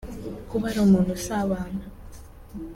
Kuba ari umuntu usabana